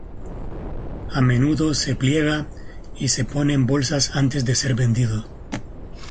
A menudo se pliega y se pone en bolsas antes de ser vendido.